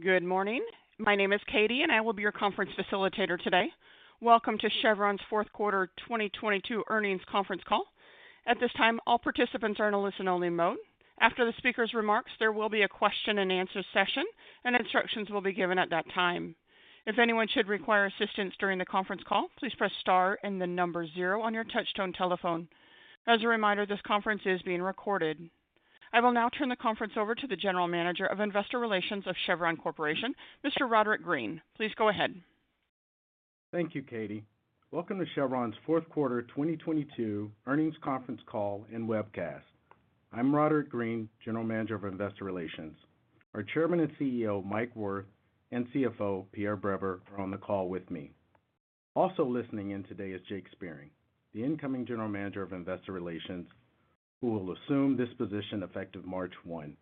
Good morning. My name is Katie, and I will be your conference facilitator today. Welcome to Chevron's fourth quarter 2022 earnings conference call. At this time, all participants are in a listen-only mode. After the speaker's remarks, there will be a question-and-answer session, and instructions will be given at that time. If anyone should require assistance during the conference call, please press star and the number zero on your touchtone telephone. As a reminder, this conference is being recorded. I will now turn the conference over to the General Manager of Investor Relations of Chevron Corporation, Mr. Roderick Green. Please go ahead. Thank you, Katie. Welcome to Chevron's fourth quarter 2022 earnings conference call and webcast. I'm Roderick Green, General Manager of Investor Relations. Our Chairman and CEO, Mike Wirth, and CFO, Pierre Breber, are on the call with me. Also listening in today is Jake Spiering, the incoming General Manager of Investor Relations, who will assume this position effective March 1.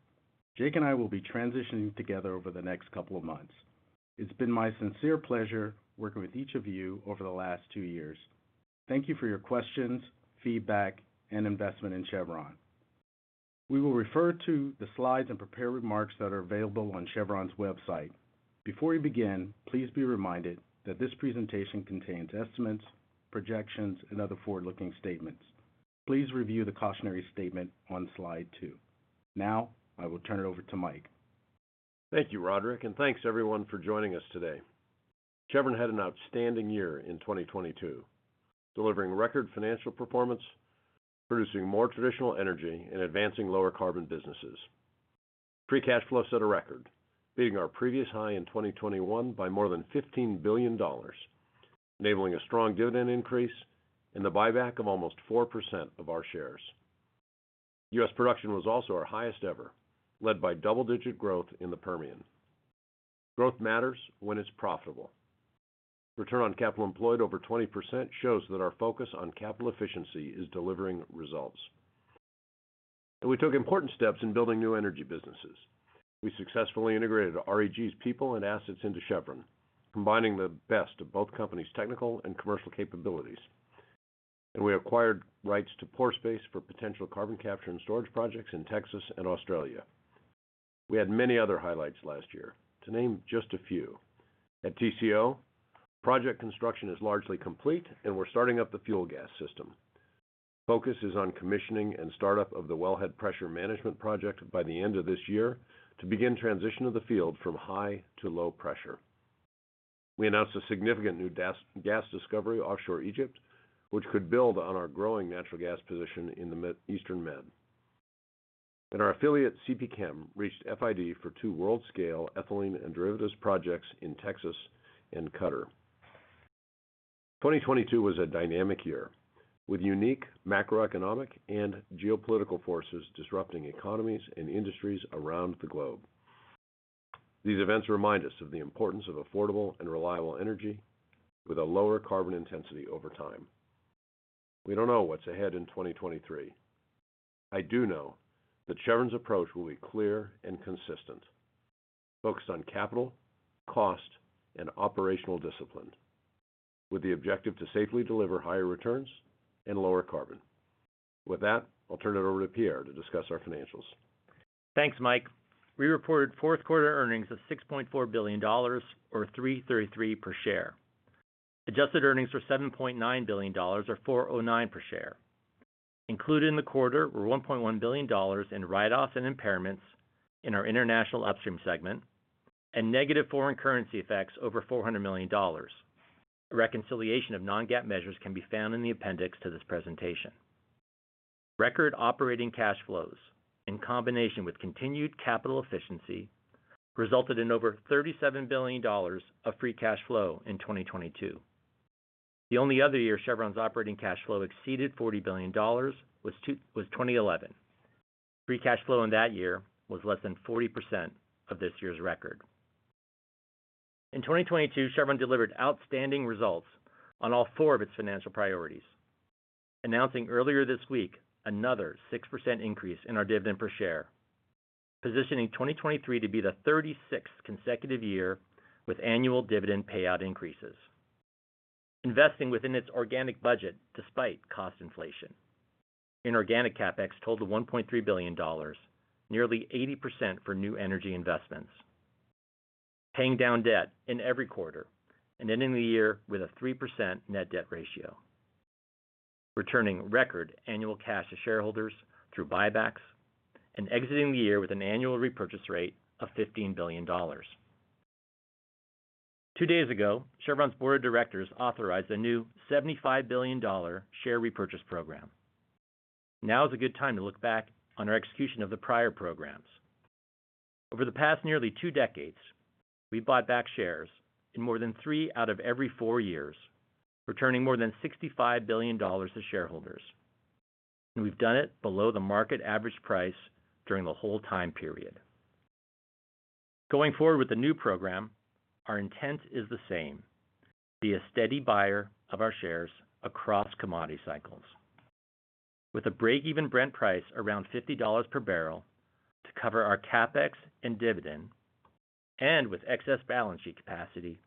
Jake and I will be transitioning together over the next couple of months. It's been my sincere pleasure working with each of you over the last two years. Thank you for your questions, feedback, and investment in Chevron. We will refer to the slides and prepare remarks that are available on Chevron's website. Before we begin, please be reminded that this presentation contains estimates, projections, and other forward-looking statements. Please review the cautionary statement on slide two. Now, I will turn it over to Mike. Thank you, Roderick, and thanks everyone for joining us today. Chevron had an outstanding year in 2022, delivering record financial performance, producing more traditional energy, and advancing lower carbon businesses. Free cash flow set a record, beating our previous high in 2021 by more than $15 billion, enabling a strong dividend increase and the buyback of almost 4% of our shares. U.S. production was also our highest ever, led by double-digit growth in the Permian. Growth matters when it's profitable. Return on capital employed over 20% shows that our focus on capital efficiency is delivering results. We took important steps in building new energy businesses. We successfully integrated REG's people and assets into Chevron, combining the best of both companies' technical and commercial capabilities, and we acquired rights to pore space for potential Carbon Capture and Storage projects in Texas and Australia. We had many other highlights last year, to name just a few. At TCO, project construction is largely complete, and we're starting up the fuel gas system. Focus is on commissioning and startup of the Wellhead Pressure Management project by the end of this year to begin transition of the field from high to low pressure. We announced a significant new gas discovery offshore Egypt, which could build on our growing natural gas position in the Eastern Med. Our affiliate, CPChem, reached FID for two world-scale ethylene and derivatives projects in Texas and Qatar. 2022 was a dynamic year, with unique macroeconomic and geopolitical forces disrupting economies and industries around the globe. These events remind us of the importance of affordable and reliable energy with a lower carbon intensity over time. We don't know what's ahead in 2023. I do know that Chevron's approach will be clear and consistent, focused on capital, cost, and operational discipline, with the objective to safely deliver higher returns and lower carbon. With that, I'll turn it over to Pierre to discuss our financials. Thanks, Mike. We reported fourth quarter earnings of $6.4 billion or $3.33 per share. Adjusted earnings were $7.9 billion or $4.09 per share. Included in the quarter were $1.1 billion in write-offs and impairments in our international upstream segment and negative foreign currency effects over $400 million. A reconciliation of non-GAAP measures can be found in the appendix to this presentation. Record operating cash flows in combination with continued capital efficiency resulted in over $37 billion of free cash flow in 2022. The only other year Chevron's operating cash flow exceeded $40 billion was 2011. Free cash flow in that year was less than 40% of this year's record. In 2022, Chevron delivered outstanding results on all four of its financial priorities, announcing earlier this week another 6% increase in our dividend per share, positioning 2023 to be the 36th consecutive year with annual dividend payout increases. Investing within its organic budget despite cost inflation. In organic, CapEx totaled $1.3 billion, nearly 80% for new energy investments. Paying down debt in every quarter and ending the year with a 3% net debt ratio. Returning record annual cash to shareholders through buybacks and exiting the year with an annual repurchase rate of $15 billion. Two days ago, Chevron's board of directors authorized a new $75 billion share repurchase program. Now is a good time to look back on our execution of the prior programs. Over the past nearly two decades, we bought back shares in more than three out of every four years, returning more than $65 billion to shareholders, and we've done it below the market average price during the whole time period. Going forward with the new program, our intent is the same: be a steady buyer of our shares across commodity cycles. With a break-even Brent price around $50 per barrel to cover our CapEx and dividend, and with excess balance sheet capacity,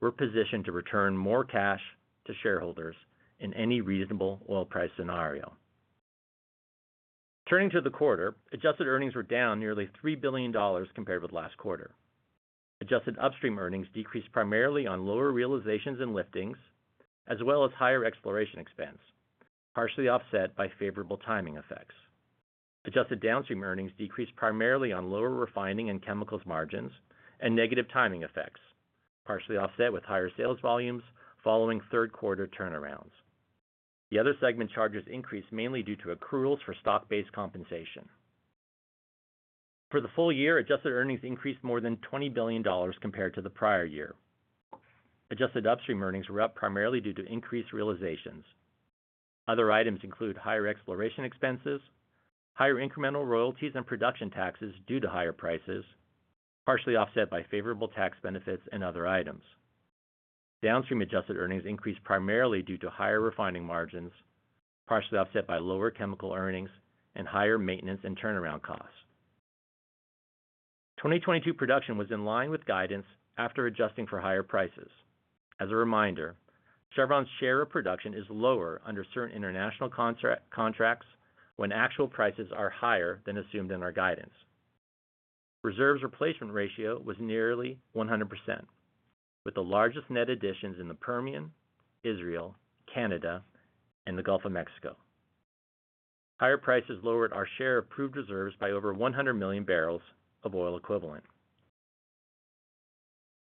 we're positioned to return more cash to shareholders in any reasonable oil price scenario. Turning to the quarter, adjusted earnings were down nearly $3 billion compared with last quarter. Adjusted upstream earnings decreased primarily on lower realizations and liftings, as well as higher exploration expense, partially offset by favorable timing effects. Adjusted downstream earnings decreased primarily on lower refining and chemicals margins and negative timing effects, partially offset with higher sales volumes following third quarter turnarounds. The other segment charges increased mainly due to accruals for stock-based compensation. For the full year, adjusted earnings increased more than $20 billion compared to the prior year. Adjusted upstream earnings were up primarily due to increased realizations. Other items include higher exploration expenses, higher incremental royalties and production taxes due to higher prices, partially offset by favorable tax benefits and other items. Downstream adjusted earnings increased primarily due to higher refining margins, partially offset by lower chemical earnings and higher maintenance and turnaround costs. 2022 production was in line with guidance after adjusting for higher prices. As a reminder, Chevron's share of production is lower under certain international contracts when actual prices are higher than assumed in our guidance. Reserves replacement ratio was nearly 100%, with the largest net additions in the Permian, Israel, Canada, and the Gulf of Mexico. Higher prices lowered our share of proved reserves by over 100 million bbl of oil equivalent.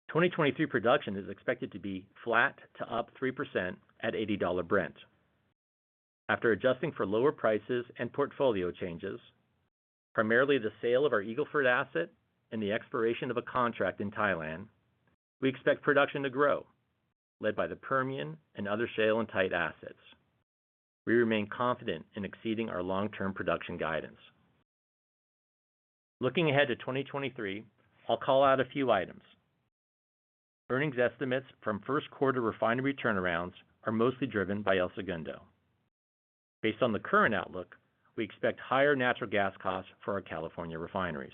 2022 production is expected to be flat to up 3% at $80 Brent. After adjusting for lower prices and portfolio changes, primarily the sale of our Eagle Ford asset and the expiration of a contract in Thailand, we expect production to grow, led by the Permian and other shale and tight assets. We remain confident in exceeding our long-term production guidance. Looking ahead to 2023, I'll call out a few items. Earnings estimates from first quarter refinery turnarounds are mostly driven by El Segundo. Based on the current outlook, we expect higher natural gas costs for our California refineries.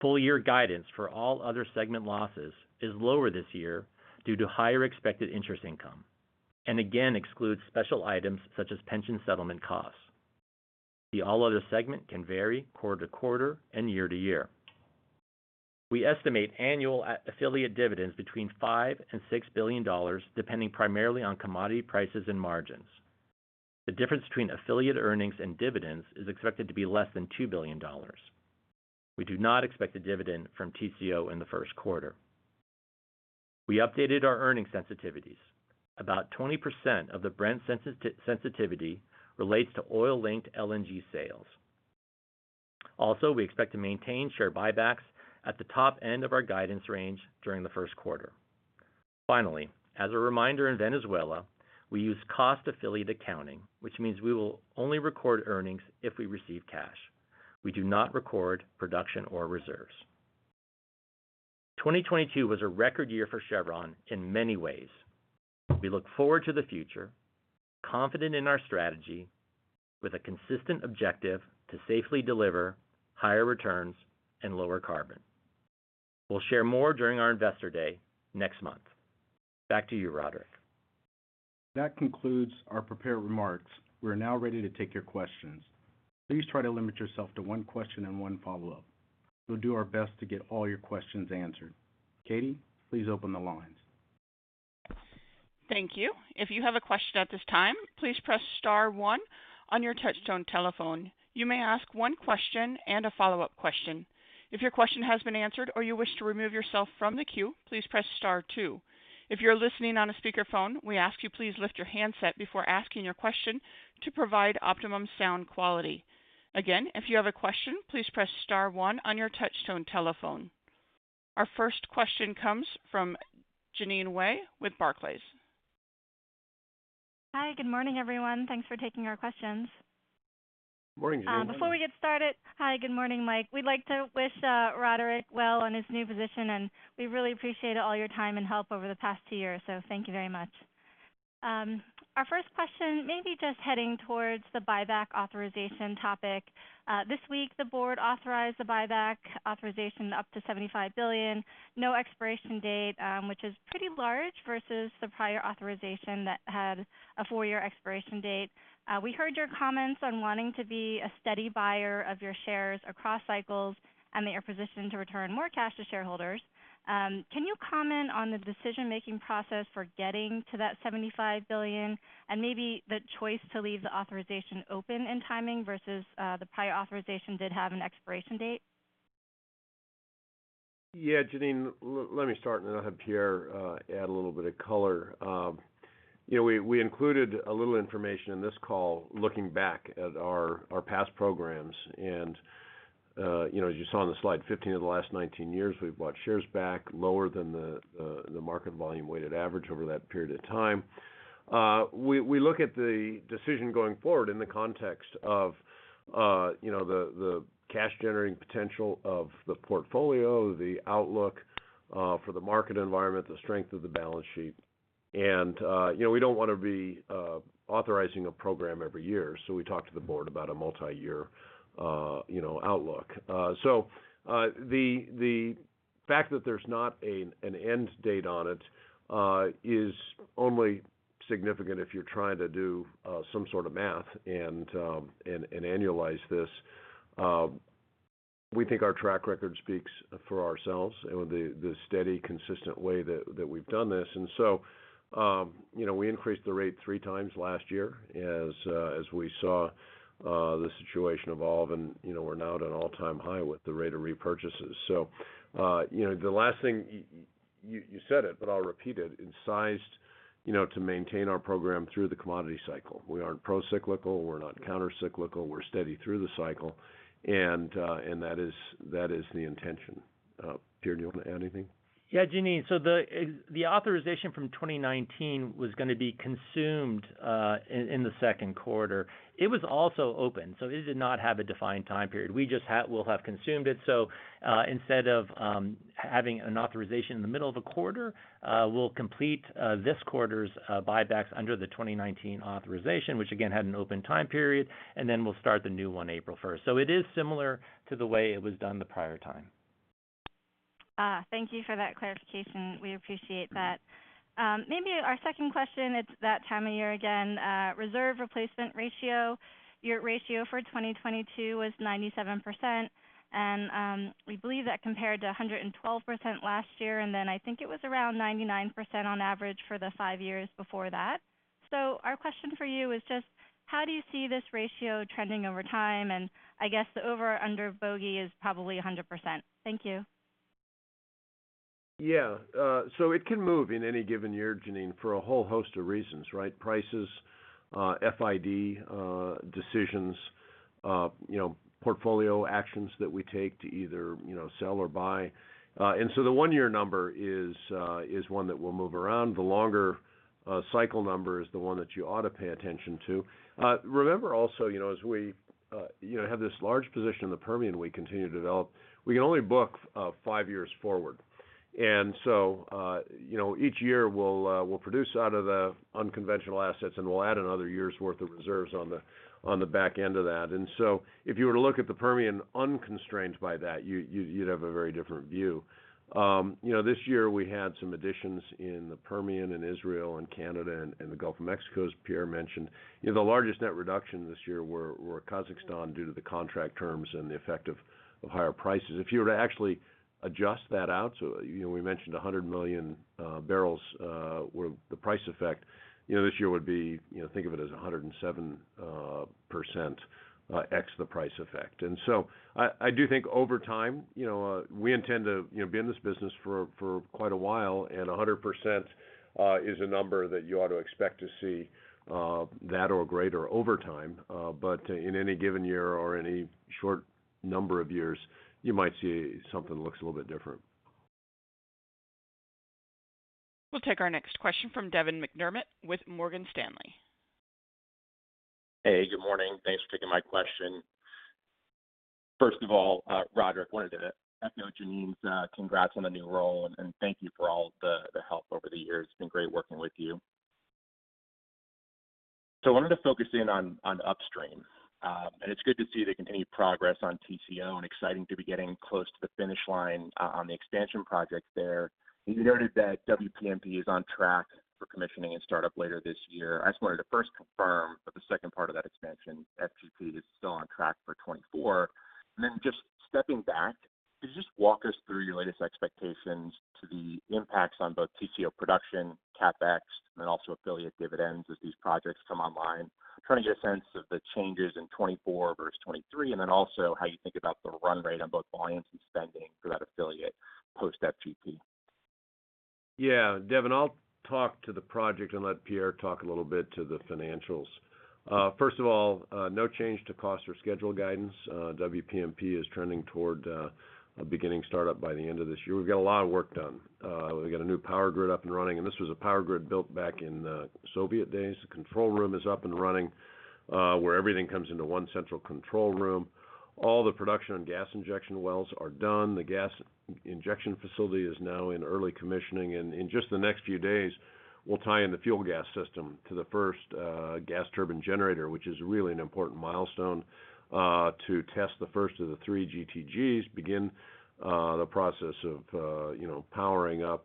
Full year guidance for all other segment losses is lower this year due to higher expected interest income. Again excludes special items such as pension settlement costs. The all other segment can vary quarter to quarter and year to year. We estimate annual affiliate dividends between $5 billion and $6 billion, depending primarily on commodity prices and margins. The difference between affiliate earnings and dividends is expected to be less than $2 billion. We do not expect a dividend from TCO in the first quarter. We updated our earning sensitivities. About 20% of the Brent sensitivity relates to oil-linked LNG sales. We expect to maintain share buybacks at the top end of our guidance range during the first quarter. As a reminder in Venezuela, we use cost affiliate accounting, which means we will only record earnings if we receive cash. We do not record production or reserves. 2022 was a record year for Chevron in many ways. We look forward to the future, confident in our strategy with a consistent objective to safely deliver higher returns and lower carbon. We'll share more during our Investor Day next month. Back to you, Roderick. That concludes our prepared remarks. We're now ready to take your questions. Please try to limit yourself to one question and one follow-up. We'll do our best to get all your questions answered. Katie, please open the lines. Thank you. If you have a question at this time, please press star one on your touchtone telephone. You may ask one question and a follow-up question. If your question has been answered or you wish to remove yourself from the queue, please press star two. If you're listening on a speakerphone, we ask you please lift your handset before asking your question to provide optimum sound quality. Again, if you have a question, please press star one on your touchtone telephone. Our first question comes from Jeanine Wai with Barclays. Hi, good morning, everyone. Thanks for taking our questions. Morning, Janine. Before we get started... Hi, good morning, Mike. We'd like to wish Roderick well on his new position, and we really appreciate all your time and help over the past two years. Thank you very much. Our first question, maybe just heading towards the buyback authorization topic. This week, the board authorized the buyback authorization up to $75 billion, no expiration date, which is pretty large versus the prior authorization that had a four-year expiration date. We heard your comments on wanting to be a steady buyer of your shares across cycles and that you're positioned to return more cash to shareholders. Can you comment on the decision-making process for getting to that $75 billion and maybe the choice to leave the authorization open in timing versus the prior authorization did have an expiration date? Yeah. Jeanine, let me start, and then I'll have Pierre add a little bit of color. you know, we included a little information in this call looking back at our past programs. you know, as you saw on the slide, 15 of the last 19 years, we've bought shares back lower than the market volume weighted average over that period of time. we look at the decision going forward in the context of, you know, the cash generating potential of the portfolio, the outlook for the market environment, the strength of the balance sheet. you know, we don't wanna be authorizing a program every year, so we talked to the board about a multi-year, you know, outlook. The fact that there's not an end date on it is only significant if you're trying to do some sort of math and annualize this. We think our track record speaks for ourselves and with the steady, consistent way that we've done this. You know, we increased the rate three times last year as we saw the situation evolve and, you know, we're now at an all-time high with the rate of repurchases. You know, the last thing you said it, but I'll repeat it's sized, you know, to maintain our program through the commodity cycle. We aren't procyclical, we're not countercyclical, we're steady through the cycle, and that is, that is the intention. Pierre, do you want to add anything? Jeanine. The authorization from 2019 was gonna be consumed in the second quarter. It was also open, so it did not have a defined time period. We just will have consumed it. Instead of having an authorization in the middle of a quarter, we'll complete this quarter's buybacks under the 2019 authorization, which again had an open time period, and then we'll start the new one April 1st. It is similar to the way it was done the prior time. Thank you for that clarification. We appreciate that. Maybe our second question, it's that time of year again. Reserve replacement ratio. Your ratio for 2022 was 97%, we believe that compared to 112% last year, I think it was around 99% on average for the five years before that. Our question for you is just how do you see this ratio trending over time? I guess the over under bogey is probably 100%. Thank you. Yeah. It can move in any given year, Jeanine, for a whole host of reasons, right? Prices, FID, decisions, you know, portfolio actions that we take to either, you know, sell or buy. The one-year number is one that will move around. The longer, cycle number is the one that you ought to pay attention to. Remember also, you know, as we, you know, have this large position in the Permian we continue to develop, we can only book, five years forward. Each year we'll produce out of the unconventional assets, and we'll add another year's worth of reserves on the, on the back end of that. If you were to look at the Permian unconstrained by that, you'd have a very different view. You know, this year we had some additions in the Permian, in Israel, in Canada, and in the Gulf of Mexico, as Pierre mentioned. You know, the largest net reduction this year were Kazakhstan due to the contract terms and the effect of higher prices. If you were to actually adjust that out, so, you know, we mentioned 100 million bbl were the price effect, you know, this year would be, you know, think of it as 107% ex the price effect. I do think over time, you know, we intend to be in this business for quite a while, and 100% is a number that you ought to expect to see that or greater over time. In any given year or any short number of years, you might see something that looks a little bit different. We'll take our next question from Devin McDermott with Morgan Stanley. Hey, good morning. Thanks for taking my question. First of all, Roderick, wanted to echo Jeanine's congrats on the new role, and thank you for all the help over the years. It's been great working with you. I wanted to focus in on upstream. It's good to see the continued progress on TCO and exciting to be getting close to the finish line on the extension project there. You noted that WPMP is on track for commissioning and startup later this year. I just wanted to first confirm that the second part of that expansion, FGP, is still on track for 2024. Just stepping back, could you just walk us through your latest expectations to the impacts on both TCO production, CapEx, and also affiliate dividends as these projects come online? I'm trying to get a sense of the changes in 2024 versus 2023, and then also how you think about the run rate on both volumes and spending for that affiliate post FGP. Yeah. Devin, I'll talk to the project and let Pierre talk a little bit to the financials. First of all, no change to cost or schedule guidance. WPMP is trending toward beginning startup by the end of this year. We've got a lot of work done. We've got a new power grid up and running, and this was a power grid built back in Soviet days. The control room is up and running, where everything comes into one central control room. All the production and gas injection wells are done. The gas injection facility is now in early commissioning. In just the next few days, we'll tie in the fuel gas system to the first gas turbine generator, which is really an important milestone to test the first of the three GTGs, begin the process of, you know, powering up,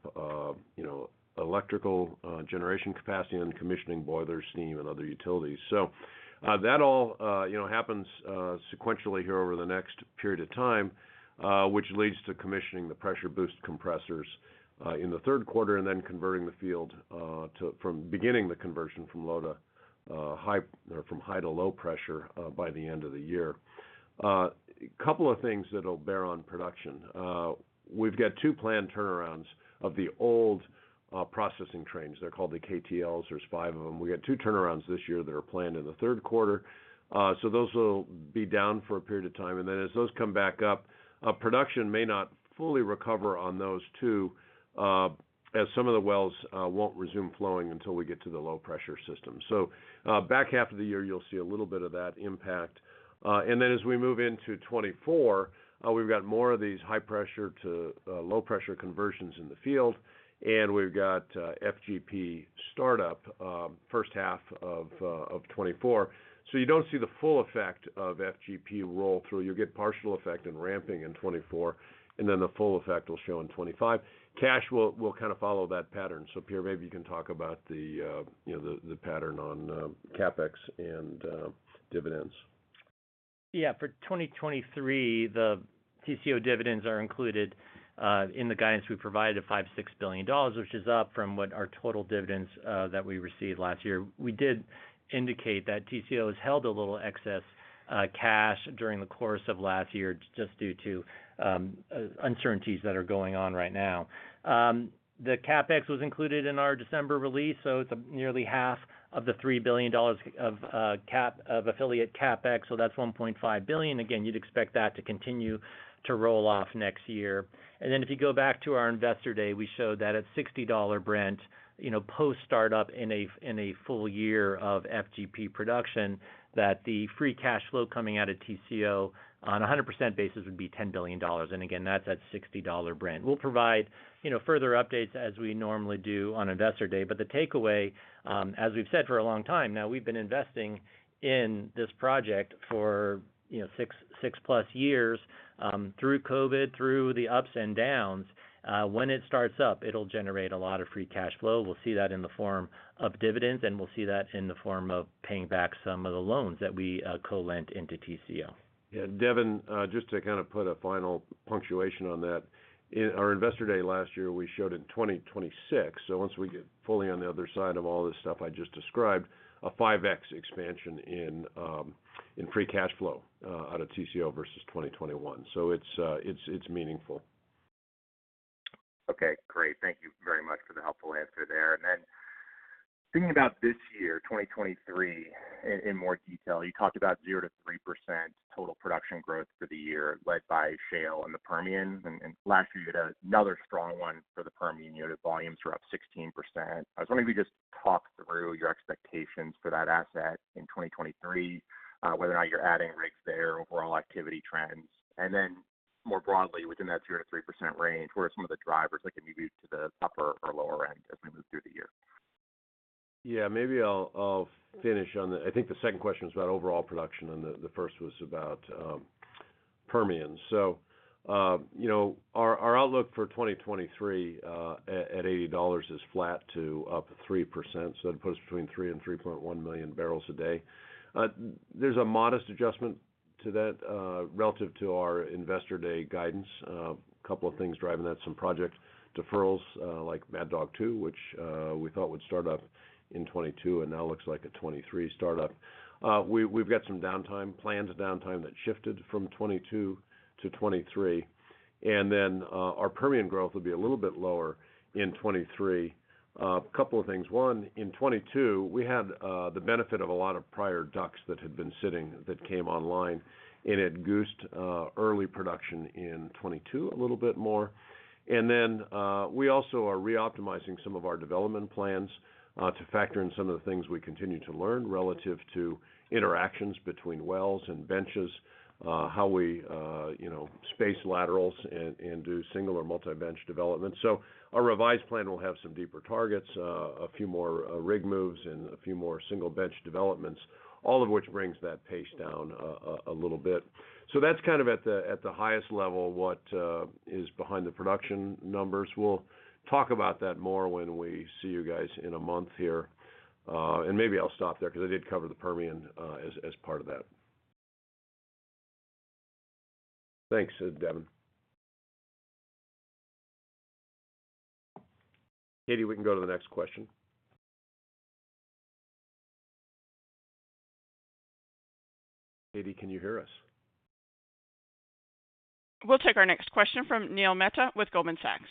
you know, electrical generation capacity and commissioning boilers, steam, and other utilities. That all, you know, happens sequentially here over the next period of time, which leads to commissioning the pressure boost compressors in the 3rd quarter, beginning the conversion from low to high or from high to low pressure by the end of the year. Couple of things that'll bear on production. We've got two planned turnarounds of the old processing trains. They're called the KTLs. There's five of them. We got two turnarounds this year that are planned in the third quarter, so those will be down for a period of time. As those come back up, production may not fully recover on those two, as some of the wells, won't resume flowing until we get to the low-pressure system. Back half of the year, you'll see a little bit of that impact. As we move into 2024, we've got more of these high-pressure to low-pressure conversions in the field, and we've got FGP startup, first half of 2024. You don't see the full effect of FGP roll through. You'll get partial effect in ramping in 2024, and then the full effect will show in 2025. Cash will kind of follow that pattern. Pierre, maybe you can talk about the, you know, the pattern on CapEx and dividends. Yeah, for 2023, the TCO dividends are included in the guidance we provided of $5 billion, $6 billion, which is up from what our total dividends that we received last year. We did indicate that TCO has held a little excess cash during the course of last year just due to uncertainties that are going on right now. The CapEx was included in our December release, so it's nearly half of the $3 billion of affiliate CapEx, so that's $1.5 billion. Again, you'd expect that to continue to roll off next year. If you go back to our Investor Day, we showed that at $60 Brent, you know, post-startup in a, in a full year of FGP production, that the free cash flow coming out of TCO on a 100% basis would be $10 billion. That's at $60 Brent. We'll provide, you know, further updates as we normally do on Investor Day. The takeaway, as we've said for a long time now, we've been investing in this project for, you know, six-plus years, through COVID, through the ups and downs. When it starts up, it'll generate a lot of free cash flow. We'll see that in the form of dividends, and we'll see that in the form of paying back some of the loans that we co-lent into TCO. Yeah, Devin, just to kind of put a final punctuation on that. In our Investor Day last year, we showed in 2026, so once we get fully on the other side of all this stuff I just described, a 5x expansion in free cash flow out of TCO versus 2021. It's meaningful. Okay, great. Thank you very much for the helpful answer there. Then thinking about this year, 2023, in more detail, you talked about 0%-3% total production growth for the year led by shale in the Permian. Last year you had another strong one for the Permian. You know, the volumes were up 16%. I was wondering if you could just talk through your expectations for that asset in 2023, whether or not you're adding rigs there, overall activity trends. Then more broadly, within that 0%-3% range, what are some of the drivers that could move you to the upper or lower end as we move through the year? Maybe I'll finish on the... I think the second question was about overall production, and the first was about Permian. You know, our outlook for 2023 at $80 is flat to up 3%. That puts between three and three point one million bbl a day. There's a modest adjustment to that relative to our Investor Day guidance. A couple of things driving that, some project deferrals, like Mad Dog Two, which we thought would start up in 2022 and now looks like a 2023 start-up. We've got some downtime, plans downtime that shifted from 2022 to 2023. Our Permian growth will be a little bit lower in 2023. A couple of things. One, in 2022, we had the benefit of a lot of prior DUCs that had been sitting that came online, and it goosed early production in 2022 a little bit more. We also are reoptimizing some of our development plans to factor in some of the things we continue to learn relative to interactions between wells and benches, how we, you know, space laterals and do single or multi-bench developments. Our revised plan will have some deeper targets, a few more rig moves and a few more single bench developments, all of which brings that pace down a little bit. That's kind of at the, at the highest level, what is behind the production numbers. We'll talk about that more when we see you guys in a month here. Maybe I'll stop there because I did cover the Permian, as part of that. Thanks, Devin. Katie, we can go to the next question. Katie, can you hear us? We'll take our next question from Neil Mehta with Goldman Sachs.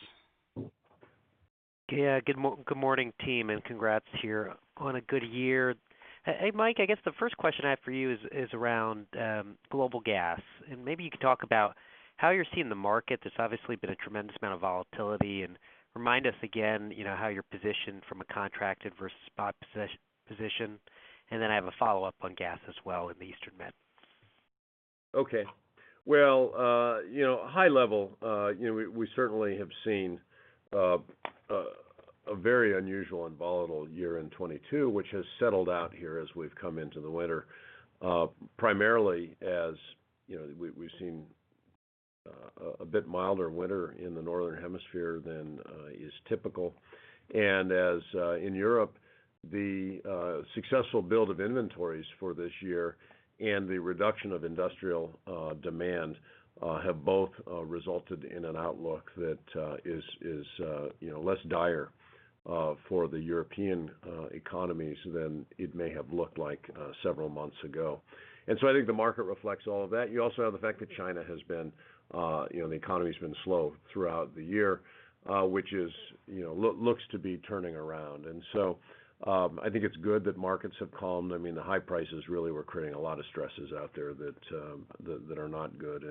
Good morning, team, congrats here on a good year. Mike, I guess the first question I have for you is around global gas. Maybe you could talk about how you're seeing the market. There's obviously been a tremendous amount of volatility. Remind us again, you know, how you're positioned from a contracted versus spot position? I have a follow-up on gas as well in the Eastern Med. Okay. Well, you know, high level, you know, we certainly have seen a very unusual and volatile year in 2022, which has settled out here as we've come into the winter, primarily as, you know, we've seen a bit milder winter in the northern hemisphere than is typical. As in Europe, the successful build of inventories for this year and the reduction of industrial demand have both resulted in an outlook that is, you know, less dire for the European economies than it may have looked like several months ago. I think the market reflects all of that. You also have the fact that China has been, you know, the economy's been slow throughout the year, which is, you know, looks to be turning around. I think it's good that markets have calmed. I mean, the high prices really were creating a lot of stresses out there that are not good.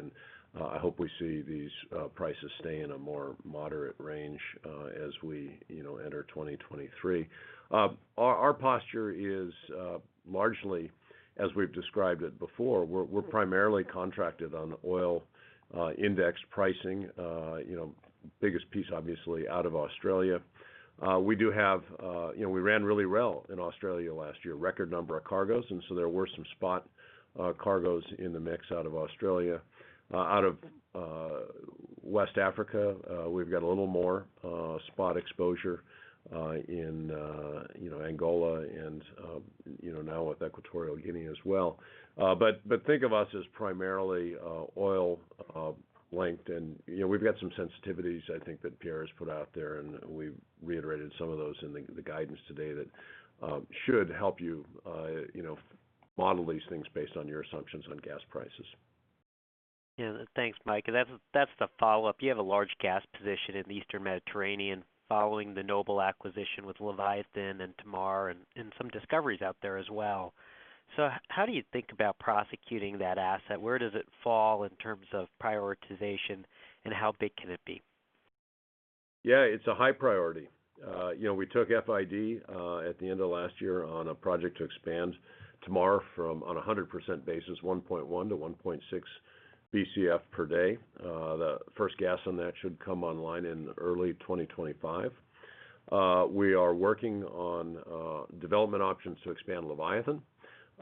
I hope we see these prices stay in a more moderate range, as we, you know, enter 2023. Our posture is largely as we've described it before. We're primarily contracted on oil, index pricing, you know, biggest piece obviously out of Australia. We do have, you know, we ran really well in Australia last year, record number of cargoes, and so there were some spot cargoes in the mix out of Australia. Out of West Africa, we've got a little more spot exposure, in, you know, Angola and, you know, now with Equatorial Guinea as well. But think of us as primarily oil linked. You know, we've got some sensitivities, I think, that Pierre has put out there, and we've reiterated some of those in the guidance today that should help you know, model these things based on your assumptions on gas prices. Yeah. Thanks, Mike. That's the follow-up. You have a large gas position in the Eastern Mediterranean following the Noble acquisition with Leviathan and Tamar and some discoveries out there as well. How do you think about prosecuting that asset? Where does it fall in terms of prioritization, and how big can it be? Yeah, it's a high priority. You know, we took FID at the end of last year on a project to expand Tamar from, on a 100% basis, one point one to one point six BCF per day. The first gas on that should come online in early 2025. We are working on development options to expand Leviathan.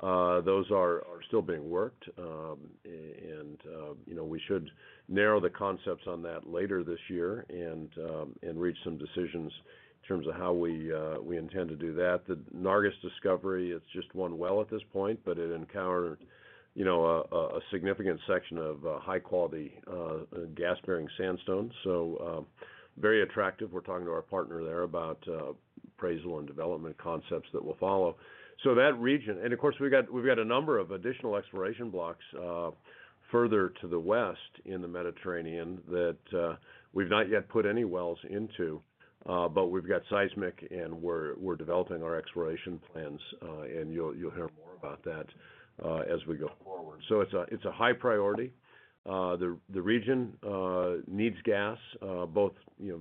Those are still being worked. You know, we should narrow the concepts on that later this year and reach some decisions in terms of how we intend to do that. The Nargis discovery, it's just one well at this point, but it encountered, you know, a significant section of high-quality, gas-bearing sandstone. Very attractive. We're talking to our partner there about appraisal and development concepts that will follow. That region. Of course, we've got a number of additional exploration blocks further to the west in the Mediterranean that we've not yet put any wells into, but we've got seismic and we're developing our exploration plans, and you'll hear more about that as we go forward. It's a high priority. The region needs gas, both, you know,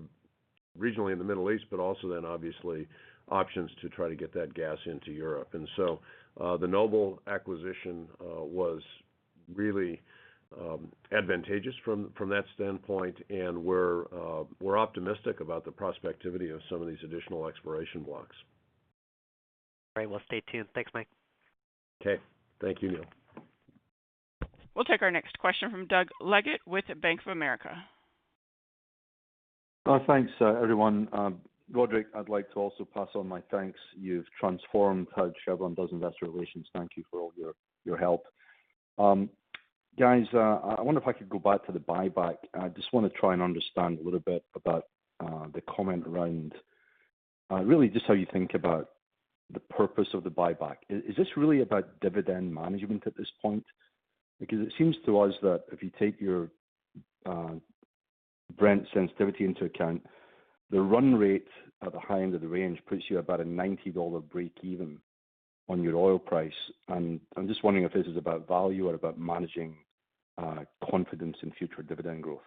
regionally in the Middle East, but also then obviously options to try to get that gas into Europe. The Noble acquisition was really advantageous from that standpoint. We're optimistic about the prospectivity of some of these additional exploration blocks. All right. We'll stay tuned. Thanks, Mike. Okay. Thank you, Neil. We'll take our next question from Doug Leggate with Bank of America. Thanks, everyone. Roderic, I'd like to also pass on my thanks. You've transformed how Chevron does investor relations. Thank you for all your help. Guys, I wonder if I could go back to the buyback. I just wanna try and understand a little bit about the comment around really just how you think about the purpose of the buyback. Is this really about dividend management at this point? It seems to us that if you take your Brent sensitivity into account, the run rate at the high end of the range puts you about a $90 break even on your oil price. I'm just wondering if this is about value or about managing confidence in future dividend growth.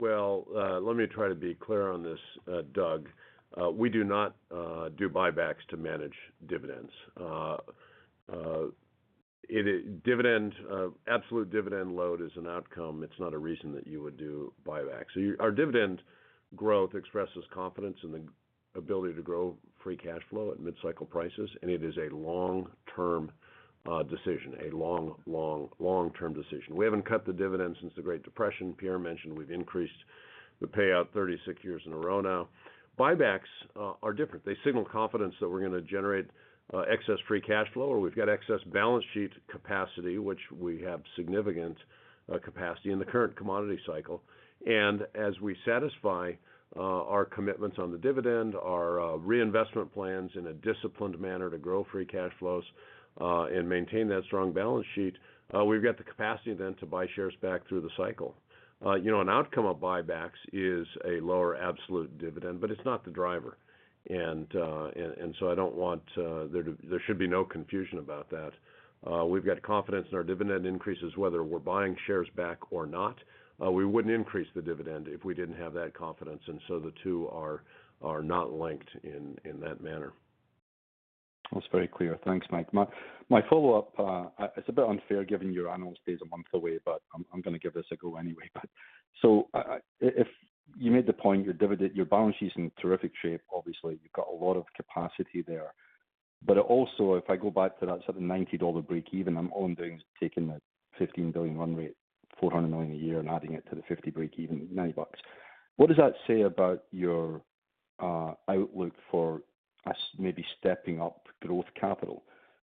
Well, let me try to be clear on this, Doug. We do not do buybacks to manage dividends. Dividend, absolute dividend load is an outcome. It's not a reason that you would do buyback. Our dividend growth expresses confidence in the ability to grow free cash flow at mid-cycle prices, and it is a long-term decision, a long, long, long-term decision. We haven't cut the dividend since the Great Depression. Pierre mentioned we've increased the payout 36 years in a row now. Buybacks are different. They signal confidence that we're gonna generate excess free cash flow, or we've got excess balance sheet capacity, which we have significant capacity in the current commodity cycle. As we satisfy our commitments on the dividend, our reinvestment plans in a disciplined manner to grow free cash flows, and maintain that strong balance sheet, we've got the capacity then to buy shares back through the cycle. You know, an outcome of buybacks is a lower absolute dividend, but it's not the driver. There should be no confusion about that. We've got confidence in our dividend increases, whether we're buying shares back or not. We wouldn't increase the dividend if we didn't have that confidence, and so the two are not linked in that manner. That's very clear. Thanks, Mike. My follow-up, it's a bit unfair giving your analyst day is a month away, but I'm gonna give this a go anyway. If you made the point, your dividend, your balance sheet's in terrific shape, obviously. You've got a lot of capacity there. Also, if I go back to that sort of $90 break even, I'm all doing is taking the $15 billion run rate, $400 million a year and adding it to the $50 break even, $90 bucks. What does that say about your outlook for us maybe stepping up growth capital?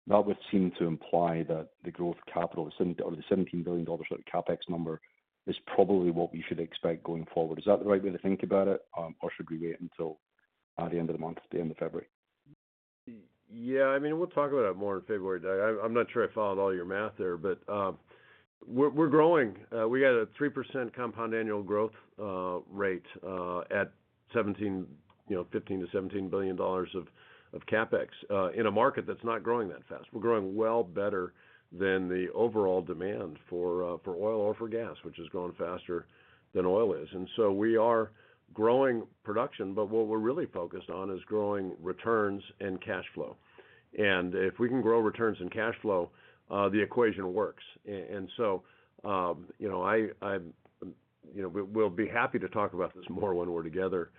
That would seem to imply that the growth capital, the $17 billion sort of CapEx number is probably what we should expect going forward. Is that the right way to think about it, or should we wait until the end of the month, the end of February? Yeah. I mean, we'll talk about it more in February, Doug. I'm not sure I followed all your math there, but we're growing. We got a 3% compound annual growth rate at $15 billion-$17 billion of CapEx in a market that's not growing that fast. We're growing well better than the overall demand for oil or for gas, which is growing faster than oil is. We are growing production, but what we're really focused on is growing returns and cash flow. If we can grow returns and cash flow, the equation works. You know, I'm, you know, we'll be happy to talk about this more when we're together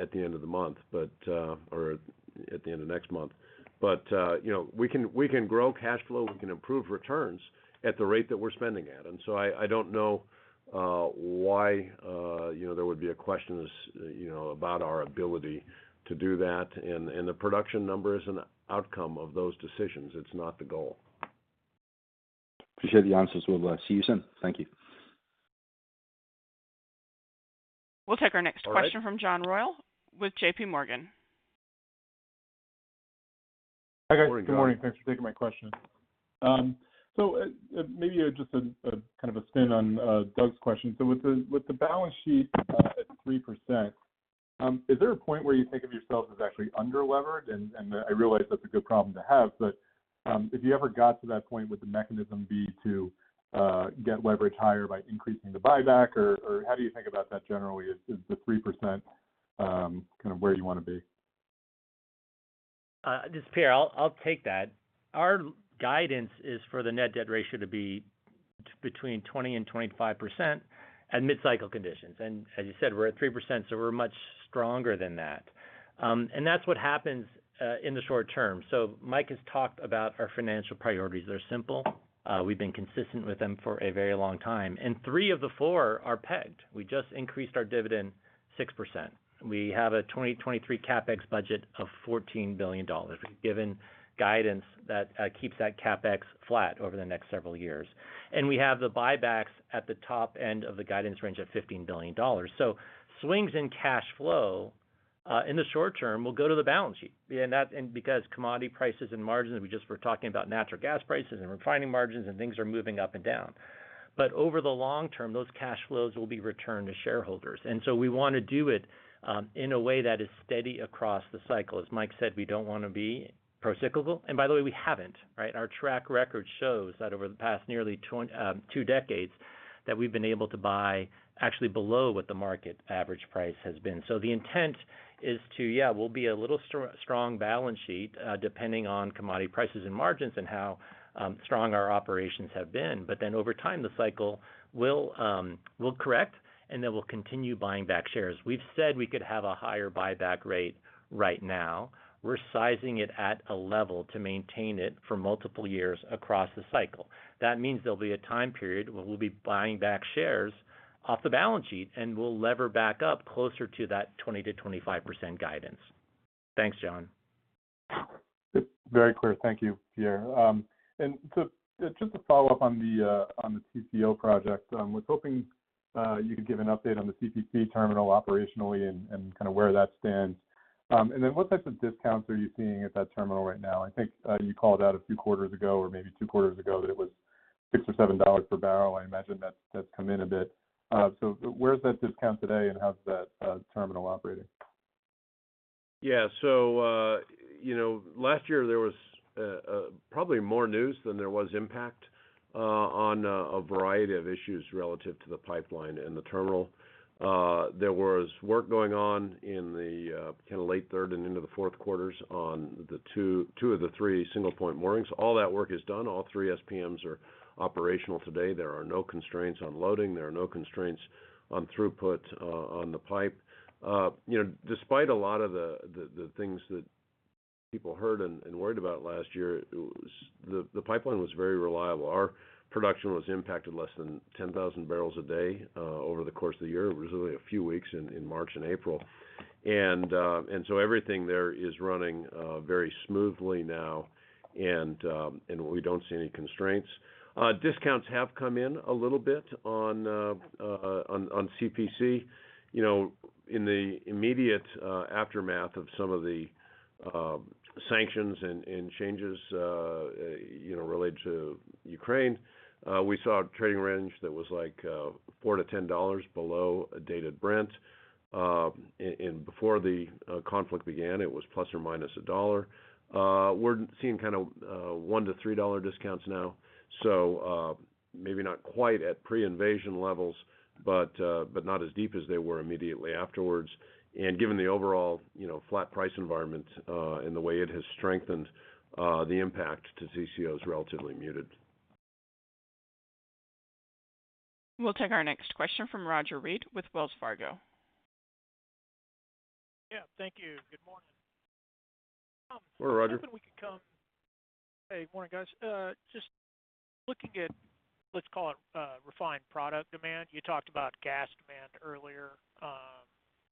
at the end of the month, but or at the end of next month. You know, we can, we can grow cash flow, we can improve returns at the rate that we're spending at. I don't know, why, you know, there would be a question as, you know, about our ability to do that. The production number is an outcome of those decisions. It's not the goal. Appreciate the answers. We'll see you soon. Thank you. We'll take our next question from John Royall with JPMorgan. Hi, guys. Good morning. Thanks for taking my question. Maybe just a kind of a spin on Doug's question. With the balance sheet at 3%, is there a point where you think of yourself as actually underlevered? And I realize that's a good problem to have, but if you ever got to that point, would the mechanism be to get leverage higher by increasing the buyback? Or how do you think about that generally? Is the 3% kind of where you want to be? This is Pierre. I'll take that. Our guidance is for the net debt ratio to be between 20% and 25% at mid-cycle conditions. As you said, we're at 3%, so we're much stronger than that. That's what happens in the short term. Mike has talked about our financial priorities. They're simple. We've been consistent with them for a very long time, and three of the four are pegged. We just increased our dividend 6%. We have a 2023 CapEx budget of $14 billion. We've given guidance that keeps that CapEx flat over the next several years. We have the buybacks at the top end of the guidance range of $15 billion. Swings in cash flow in the short term will go to the balance sheet. Because commodity prices and margins, we just were talking about natural gas prices and refining margins and things are moving up and down. Over the long term, those cash flows will be returned to shareholders. We wanna do it in a way that is steady across the cycle. As Mike said, we don't wanna be procyclical. By the way, we haven't, right? Our track record shows that over the past nearly two decades, that we've been able to buy actually below what the market average price has been. The intent is to, yeah, we'll be a little strong balance sheet, depending on commodity prices and margins and how strong our operations have been. Over time, the cycle will correct, we'll continue buying back shares. We've said we could have a higher buyback rate right now. We're sizing it at a level to maintain it for multiple years across the cycle. That means there'll be a time period where we'll be buying back shares off the balance sheet, and we'll lever back up closer to that 20%-25% guidance. Thanks, John. Very clear. Thank you, Pierre. Just a follow-up on the CPC project. Was hoping you could give an update on the CPC terminal operationally and kinda where that stands. What types of discounts are you seeing at that terminal right now? I think you called out a few quarters ago or maybe two quarters ago that it was $6 or $7 per barrel. I imagine that's come in a bit. Where's that discount today, and how's that terminal operating? You know, last year there was probably more news than there was impact on a variety of issues relative to the pipeline and the terminal. There was work going on in the kinda late third and into the fourth quarters on two of the three Single Point Moorings. All that work is done. All three SVMs are operational today. There are no constraints on loading. There are no constraints on throughput on the pipe. You know, despite a lot of the things that people heard and worried about last year, the pipeline was very reliable. Our production was impacted less than 10,000 bbl a day over the course of the year. It was only a few weeks in March and April. Everything there is running very smoothly now, and we don't see any constraints. Discounts have come in a little bit on CPC. You know, in the immediate aftermath of some of the sanctions and changes, you know, related to Ukraine, we saw a trading range that was, like, $4-$10 below a Dated Brent. Before the conflict began, it was ±$1. We're seeing kinda $1-$3 discounts now, so maybe not quite at pre-invasion levels, but not as deep as they were immediately afterwards. Given the overall, you know, flat price environment, and the way it has strengthened, the impact to TCO is relatively muted. We'll take our next question from Roger Read with Wells Fargo. Yeah, thank you. Good morning. Hello, Roger. Hey, morning, guys. Just looking at, let's call it, refined product demand. You talked about gas demand earlier.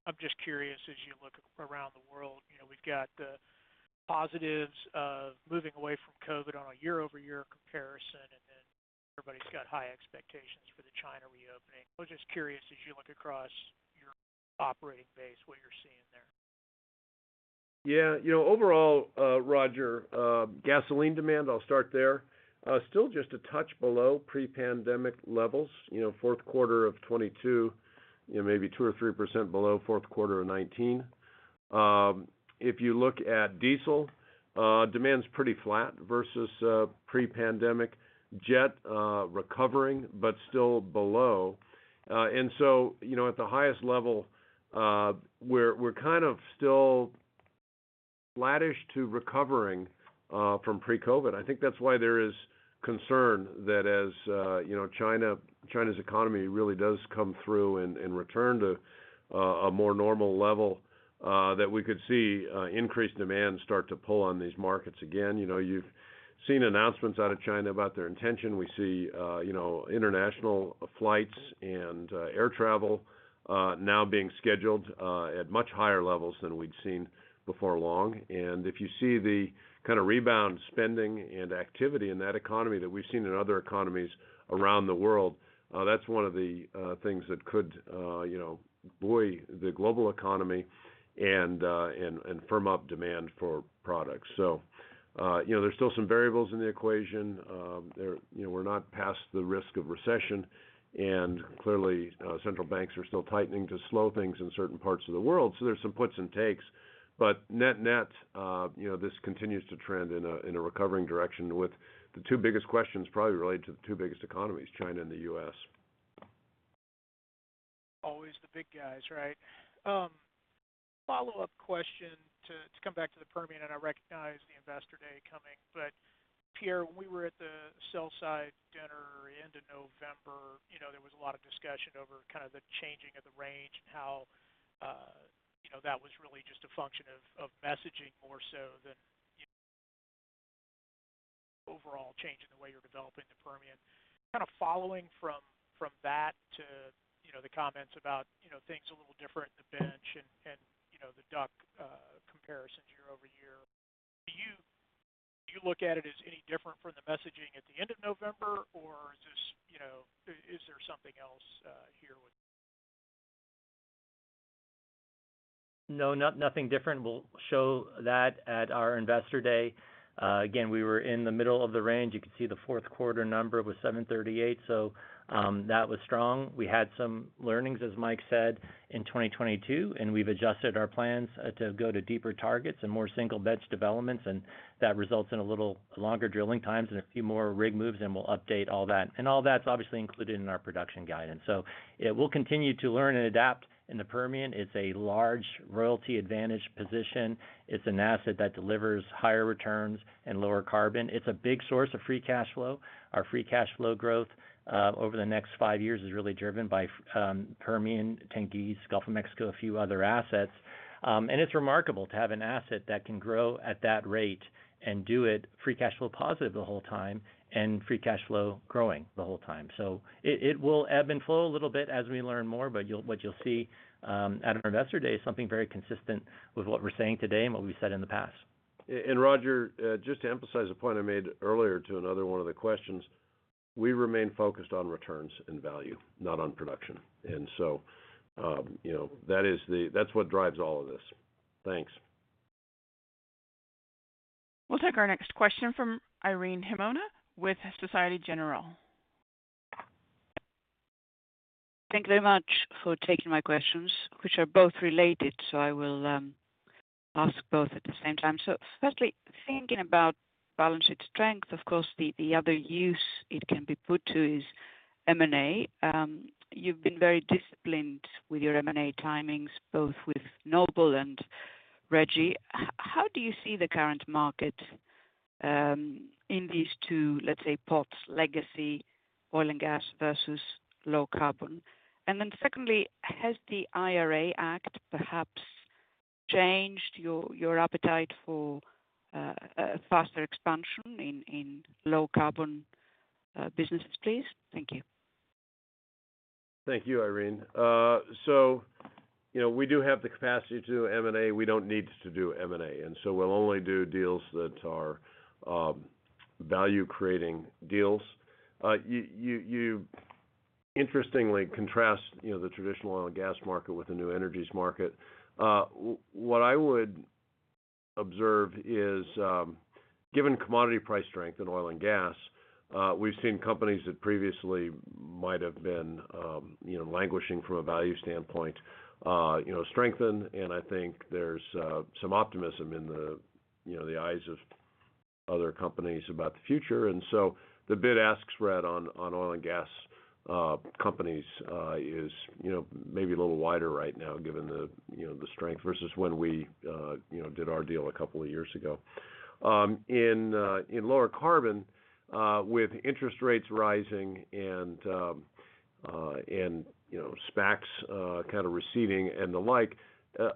I'm just curious, as you look around the world, you know, we've got the positives of moving away from COVID on a year-over-year comparison. Everybody's got high expectations for the China reopening. I was just curious, as you look across your operating base, what you're seeing there? Yeah. You know, overall, Roger, gasoline demand, I'll start there, still just a touch below pre-pandemic levels. Fourth quarter of 2022, maybe 2% or 3% below fourth quarter of 2019. If you look at diesel, demand's pretty flat versus pre-pandemic. Jet, recovering, but still below. At the highest level, we're kind of still flattish to recovering from pre-COVID. I think that's why there is concern that as China's economy really does come through and return to a more normal level, that we could see increased demand start to pull on these markets again. You've seen announcements out of China about their intention. We see, you know, international flights and air travel now being scheduled at much higher levels than we'd seen before long. If you see the kind of rebound spending and activity in that economy that we've seen in other economies around the world, that's one of the things that could, you know, buoy the global economy and firm up demand for products. You know, there's still some variables in the equation. You know, we're not past the risk of recession. Clearly, central banks are still tightening to slow things in certain parts of the world. There's some puts and takes. Net-net, you know, this continues to trend in a, in a recovering direction, with the two biggest questions probably related to the two biggest economies, China and the U.S., Always the big guys, right? follow-up question to come back to the Permian, and I recognize the Investor Day coming. Pierre, when we were at the sell side dinner end of November, you know, there was a lot of discussion over kind of the changing of the range and how, you know, that was really just a function of messaging more so than, you know, overall change in the way you're developing the Permian. Kind of following from that to, you know, the comments about, you know, things a little different in the bench and, you know, the DUC comparisons year over year. Do you look at it as any different from the messaging at the end of November, or is this, you know, is there something else here? No, nothing different. We'll show that at our Investor Day. Again, we were in the middle of the range. You could see the fourth quarter number was 738, that was strong. We had some learnings, as Mike said, in 2022. We've adjusted our plans to go to deeper targets and more single bench developments. That results in a little longer drilling times and a few more rig moves. We'll update all that. All that's obviously included in our production guidance. Yeah, we'll continue to learn and adapt in the Permian. It's a large royalty advantage position. It's an asset that delivers higher returns and lower carbon. It's a big source of free cash flow. Our free cash flow growth over the next five years is really driven by Permian, Tengiz, Gulf of Mexico, a few other assets. It's remarkable to have an asset that can grow at that rate and do it free cash flow positive the whole time and free cash flow growing the whole time. It, it will ebb and flow a little bit as we learn more, but what you'll see at our Investor Day is something very consistent with what we're saying today and what we've said in the past. Roger, just to emphasize a point I made earlier to another one of the questions, we remain focused on returns and value, not on production. You know, that's what drives all of this. Thanks. We'll take our next question from Irene Himona with Société Générale. Thank you very much for taking my questions, which are both related, I will ask both at the same time. Firstly, thinking about balance sheet strength, of course, the other use it can be put to is M&A. You've been very disciplined with your M&A timings, both with Noble and REG. How do you see the current market in these two, let's say, pots, legacy oil and gas versus low carbon? Secondly, has the IRA act perhaps changed your appetite for a faster expansion in low carbon businesses, please? Thank you. Thank you, Irene. You know, we do have the capacity to do M&A. We don't need to do M&A, we'll only do deals that are value-creating deals. You interestingly contrast, you know, the traditional oil and gas market with the new energies market. What I would observe is, given commodity price strength in oil and gas, we've seen companies that previously might have been, you know, languishing from a value standpoint, you know, strengthen. I think there's some optimism in the, you know, the eyes of other companies about the future. The bid-ask spread on oil and gas companies is, you know, maybe a little wider right now given the, you know, the strength versus when we, you know, did our deal two years ago. In lower carbon, with interest rates rising and, you know, SPACs kind of receding and the like,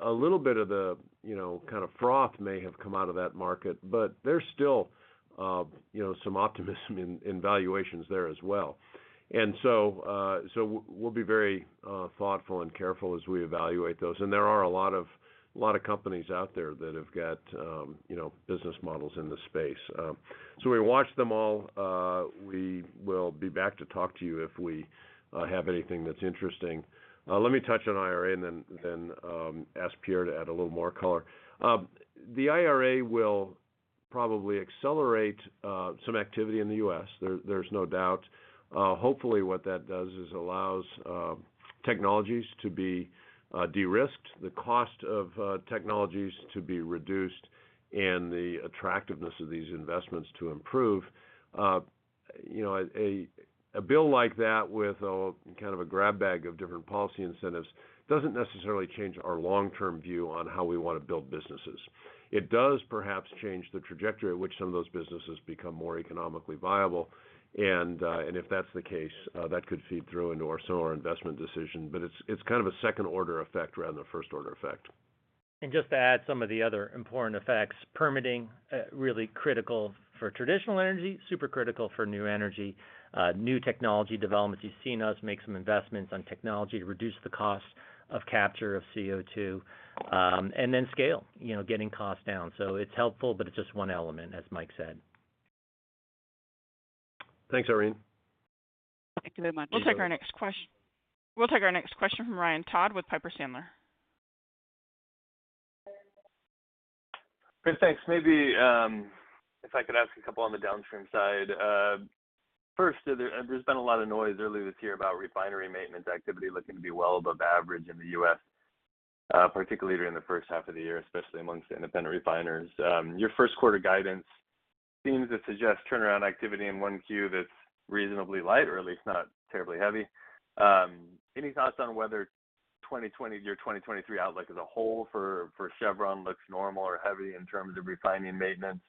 a little bit of the, you know, kind of froth may have come out of that market. There's still, you know, some optimism in valuations there as well. We'll be very thoughtful and careful as we evaluate those. There are a lot of companies out there that have got, you know, business models in this space. So we watch them all. We will be back to talk to you if we have anything that's interesting. Let me touch on IRA and then ask Pierre to add a little more color. The IRA will probably accelerate some activity in the U.S., There, there's no doubt. Hopefully, what that does is allows technologies to be de-risked, the cost of technologies to be reduced, and the attractiveness of these investments to improve. You know, a bill like that with a kind of a grab bag of different policy incentives doesn't necessarily change our long-term view on how we wanna build businesses. It does perhaps change the trajectory at which some of those businesses become more economically viable. If that's the case, that could feed through into our similar investment decision. It's kind of a second-order effect rather than a first-order effect. Just to add some of the other important effects, permitting, really critical for traditional energy, super critical for new energy. New technology developments. You've seen us make some investments on technology to reduce the cost of capture of CO2. Scale, you know, getting costs down. It's helpful, but it's just one element, as Mike said. Thanks, Irene. Thank you very much. We'll take our next question from Ryan Todd with Piper Sandler. Great. Thanks. Maybe, if I could ask a couple on the downstream side. First, there's been a lot of noise early this year about refinery maintenance activity looking to be well above average in the U.S., particularly during the first half of the year, especially amongst independent refiners. Your first quarter guidance seems to suggest turnaround activity in 1Q that's reasonably light or at least not terribly heavy. Any thoughts on whether your 2023 outlook as a whole for Chevron looks normal or heavy in terms of refining maintenance?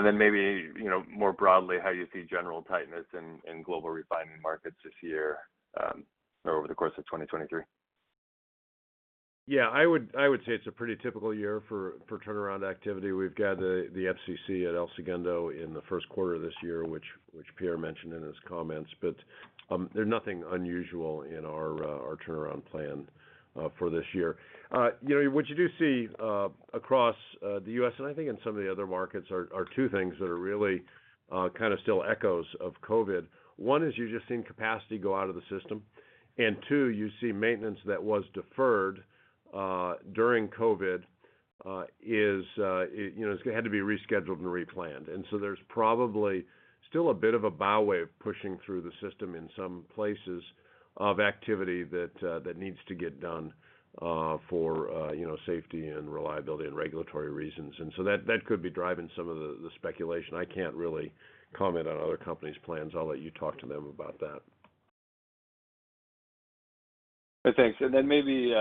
Maybe, you know, more broadly, how you see general tightness in global refining markets this year, or over the course of 2023. Yeah, I would say it's a pretty typical year for turnaround activity. We've got the FCC at El Segundo in the first quarter of this year, which Pierre mentioned in his comments. There's nothing unusual in our turnaround plan for this year. You know, what you do see across the U.S. and I think in some of the other markets are two things that are really kind of still echoes of COVID. One, is you're just seeing capacity go out of the system. Two, you see maintenance that was deferred during COVID, is, you know, it's gonna have to be rescheduled and replanned. There's probably still a bit of a bow wave pushing through the system in some places of activity that needs to get done, for, you know, safety and reliability and regulatory reasons. That could be driving some of the speculation. I can't really comment on other companies' plans. I'll let you talk to them about that. Thanks. Then maybe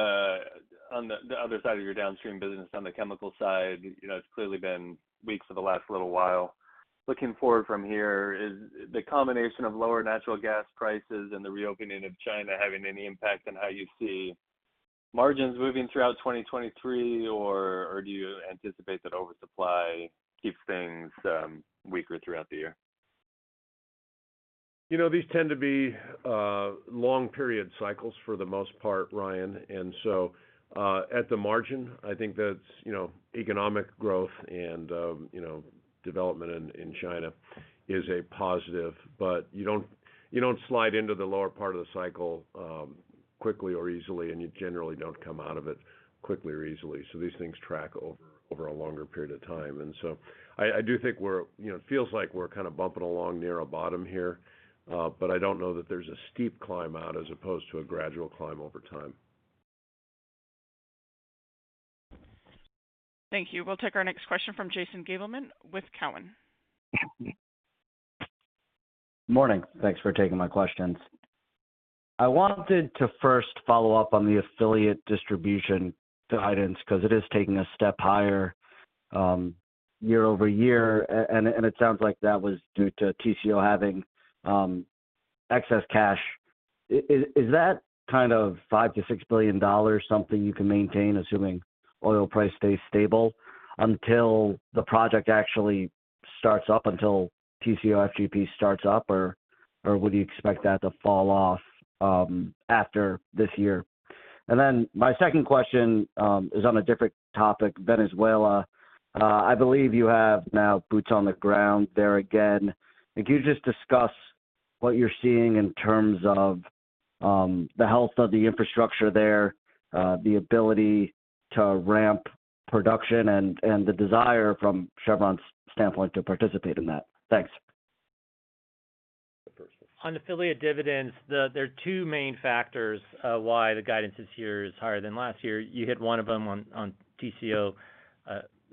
on the other side of your downstream business, on the chemical side, you know, it's clearly been weak for the last little while. Looking forward from here, is the combination of lower natural gas prices and the reopening of China having any impact on how you see margins moving throughout 2023? Or do you anticipate that oversupply keeps things weaker throughout the year? You know, these tend to be long period cycles for the most part, Ryan. At the margin, I think that's, you know, economic growth and, you know, development in China is a positive. You don't, you don't slide into the lower part of the cycle, quickly or easily, and you generally don't come out of it quickly or easily. These things track over a longer period of time. I do think we're, you know, it feels like we're kind of bumping along near a bottom here, but I don't know that there's a steep climb out as opposed to a gradual climb over time. Thank you. We'll take our next question from Jason Gabelman with Cowen. Morning. Thanks for taking my questions. I wanted to first follow up on the affiliate distribution guidance because it is taking a step higher, year over year, and it sounds like that was due to TCO having excess cash. Is that kind of $5 billion-$6 billion something you can maintain, assuming oil price stays stable until the project actually starts up, until TCO FGP starts up, or would you expect that to fall off after this year? My second question is on a different topic, Venezuela. I believe you have now boots on the ground there again. Can you just discuss what you're seeing in terms of the health of the infrastructure there, the ability to ramp production and the desire from Chevron's standpoint to participate in that? Thanks. The first one. On affiliate dividends, there are two main factors of why the guidance this year is higher than last year. You hit one of them on TCO,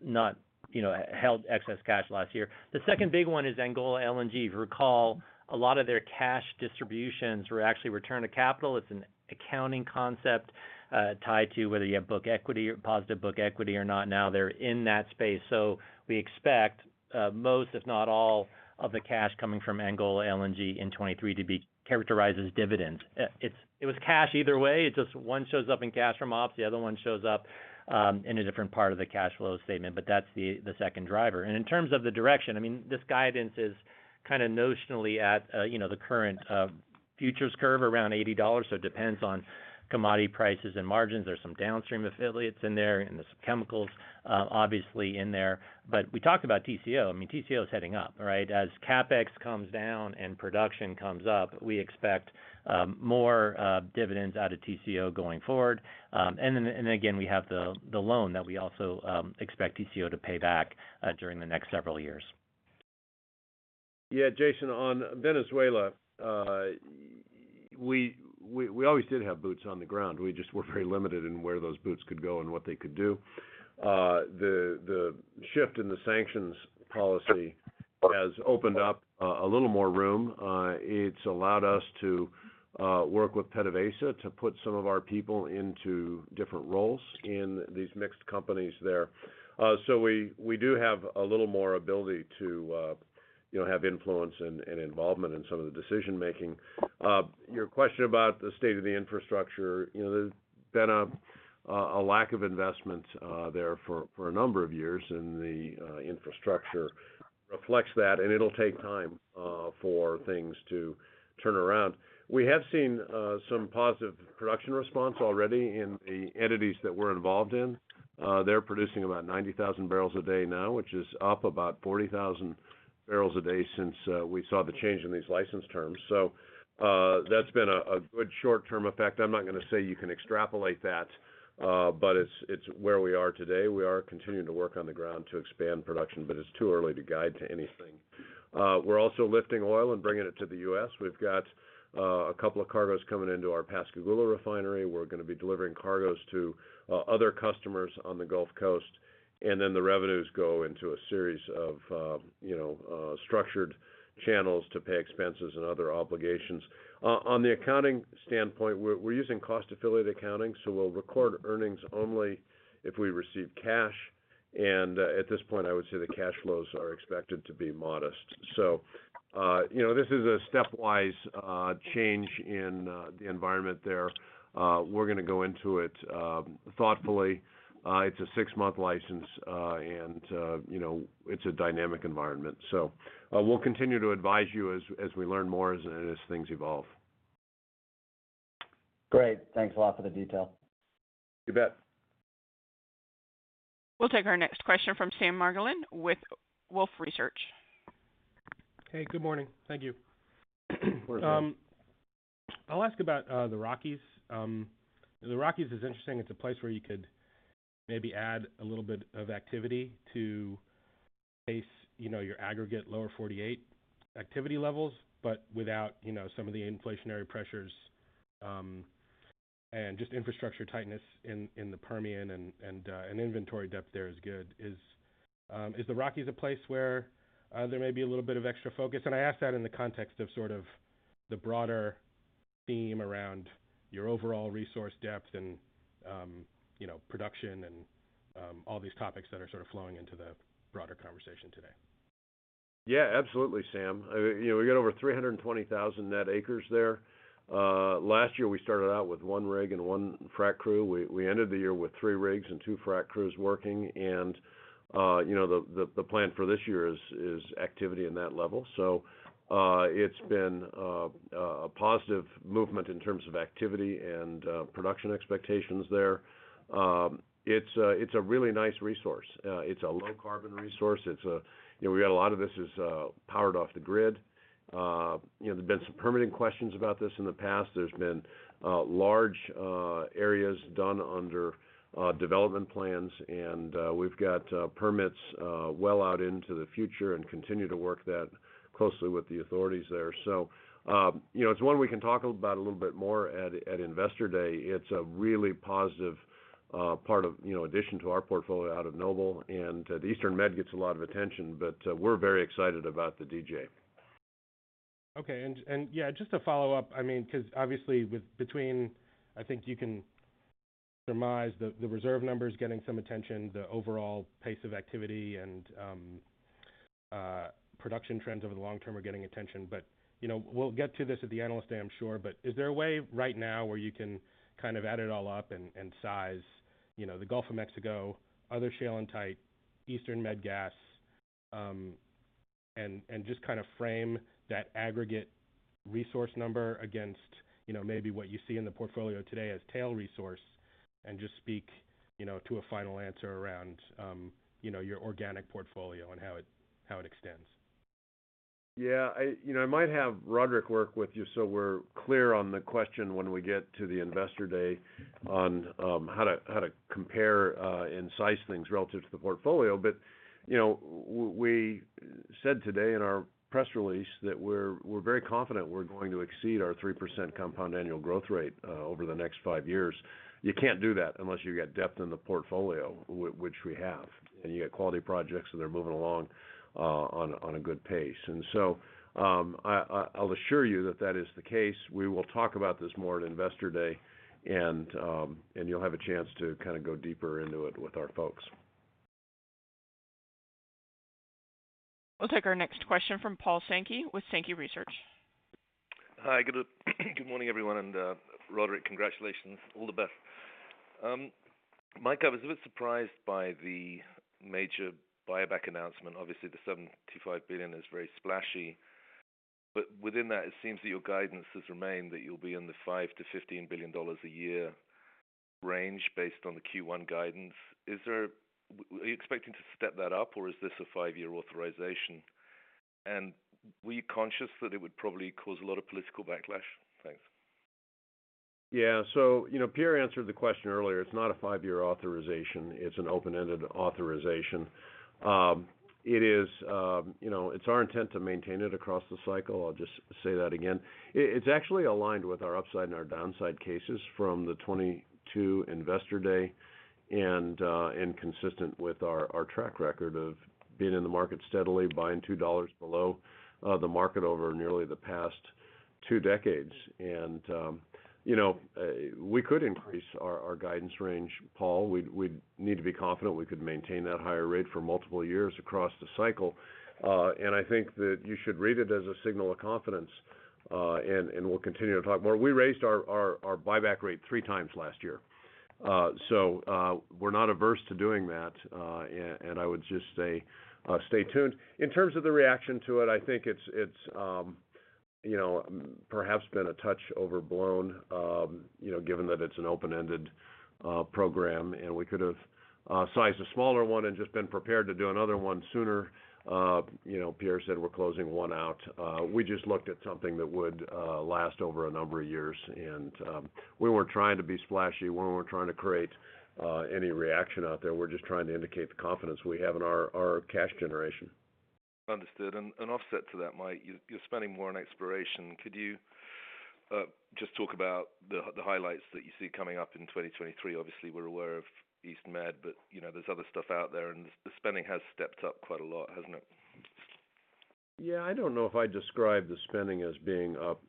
not, you know, held excess cash last year. The second big one is Angola LNG. If you recall, a lot of their cash distributions were actually return to capital. It's an accounting concept, tied to whether you have book equity or positive book equity or not. Now they're in that space. We expect most, if not all, of the cash coming from Angola LNG in 2023 to be characterized as dividends. It was cash either way. It's just one shows up in cash from ops, the other one shows up in a different part of the cash flow statement, but that's the second driver. In terms of the direction, I mean, this guidance is kind of notionally at, you know, the current futures curve around $80. It depends on commodity prices and margins. There's some downstream affiliates in there, and there's some chemicals obviously in there. We talked about TCO. I mean, TCO is heading up, right? As CapEx comes down and production comes up, we expect more dividends out of TCO going forward. Again, we have the loan that we also expect TCO to pay back during the next several years. Yeah, Jason, on Venezuela, we always did have boots on the ground. We just were very limited in where those boots could go and what they could do. The shift in the sanctions policy has opened up a little more room. It's allowed us to You know, have influence and involvement in some of the decision-making. Your question about the state of the infrastructure, you know, there's been a lack of investment there for a number of years, and the infrastructure reflects that, and it'll take time for things to turn around. We have seen some positive production response already in the entities that we're involved in. They're producing about 90,000 bbl a day now, which is up about 40,000 bbl a day since we saw the change in these license terms. That's been a good short-term effect. I'm not gonna say you can extrapolate that, but it's where we are today. We are continuing to work on the ground to expand production, but it's too early to guide to anything. We're also lifting oil and bringing it to the U.S., We've got a couple of cargos coming into our Pascagoula Refinery. We're gonna be delivering cargos to other customers on the Gulf Coast, and then the revenues go into a series of, you know, structured channels to pay expenses and other obligations. On the accounting standpoint, we're using cost-affiliated accounting, so we'll record earnings only if we receive cash. At this point, I would say the cash flows are expected to be modest. You know, this is a stepwise change in the environment there. We're gonna go into it thoughtfully. It's a six-month license, and, you know, it's a dynamic environment. We'll continue to advise you as we learn more as things evolve. Great. Thanks a lot for the detail. You bet. We'll take our next question from Sam Margolin with Wolfe Research. Hey, good morning. Thank you. Of course. I'll ask about the Rockies. The Rockies is interesting. It's a place where you could maybe add a little bit of activity to pace, you know, your aggregate lower 48 activity levels, but without, you know, some of the inflationary pressures, and just infrastructure tightness in the Permian and an inventory depth there is good. Is the Rockies a place where there may be a little bit of extra focus? I ask that in the context of sort of the broader theme around your overall resource depth and, you know, production and all these topics that are sort of flowing into the broader conversation today. Yeah, absolutely, Sam. You know, we got over 320,000 net acres there. Last year, we started out with one rig and one frack crew. We ended the year with three rigs and two frack crews working. You know, the plan for this year is activity in that level. It's been a positive movement in terms of activity and production expectations there. It's a really nice resource. It's a low carbon resource. You know, we got a lot of this is powered off the grid. You know, there's been some permitting questions about this in the past. There's been large areas done under development plans, and we've got permits well out into the future and continue to work that closely with the authorities there. You know, it's one we can talk about a little bit more at Investor Day. It's a really positive, you know, addition to our portfolio out of Noble. The Eastern Med gets a lot of attention, but we're very excited about the DJ. Okay. Yeah, just to follow up, I mean, 'cause obviously with between, I think you can surmise the reserve numbers getting some attention, the overall pace of activity and production trends over the long term are getting attention. You know, we'll get to this at the Analyst Day, I'm sure. Is there a way right now where you can kind of add it all up and size, you know, the Gulf of Mexico, other shale and type, Eastern Med gas, and just kind of frame that aggregate resource number against, you know, maybe what you see in the portfolio today as tail resource and just speak, you know, to a final answer around, you know, your organic portfolio and how it, how it extends? Yeah. You know, I might have Roderick work with you so we're clear on the question when we get to the Investor Day on how to compare and size things relative to the portfolio. You know, we said today in our press release that we're very confident we're going to exceed our 3% compound annual growth rate over the next five years. You can't do that unless you got depth in the portfolio, which we have, and you got quality projects, and they're moving along on a good pace. So, I'll assure you that that is the case. We will talk about this more at Investor Day, and you'll have a chance to kind of go deeper into it with our folks. We'll take our next question from Paul Sankey with Sankey Research. Hi. Good morning, everyone. Roderick, congratulations. All the best. Mike, I was a bit surprised by the major buyback announcement. Obviously, the $75 billion is very splashy, but within that, it seems that your guidance has remained that you'll be in the $5 billion-$15 billion a year range based on the Q1 guidance. Are you expecting to step that up, or is this a five-year authorization? Were you conscious that it would probably cause a lot of political backlash? Thanks. You know, Pierre answered the question earlier. It's not a five-year authorization. It's an open-ended authorization. You know, it's our intent to maintain it across the cycle. I'll just say that again. It's actually aligned with our upside and our downside cases from the 2022 Investor Day and consistent with our track record of being in the market steadily, buying $2 below the market over nearly the past two decades. You know, we could increase our guidance range, Paul. We'd need to be confident we could maintain that higher rate for multiple years across the cycle. And I think that you should read it as a signal of confidence and we'll continue to talk more. We raised our buyback rate three times last year. We're not averse to doing that, and I would just say, stay tuned. In terms of the reaction to it, I think it's, you know, perhaps been a touch overblown, you know, given that it's an open-ended program, and we could have sized a smaller one and just been prepared to do another one sooner. You know, Pierre said we're closing one out. We just looked at something that would last over a number of years, and we weren't trying to be splashy. We weren't trying to create any reaction out there. We're just trying to indicate the confidence we have in our cash generation. Understood. An offset to that, Mike, you're spending more on exploration. Could you just talk about the highlights that you see coming up in 2023? Obviously, we're aware of East Med, but, you know, there's other stuff out there, and the spending has stepped up quite a lot, hasn't it? Yeah. I don't know if I'd describe the spending as being up